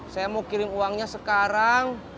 saya mau kirim uangnya sekarang